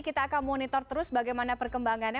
kita akan monitor terus bagaimana perkembangannya